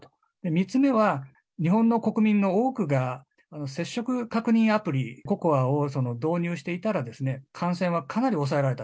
３つ目は、日本の国民の多くが接触確認アプリ、ＣＯＣＯＡを導入していたら、感染はかなり抑えられた。